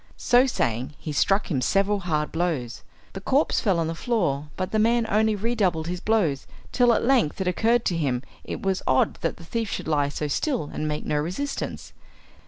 So saying he struck him several hard blows. The corpse fell on the floor, but the man only redoubled his blows, till at length it occurred to him it was odd that the thief should lie so still and make no resistance.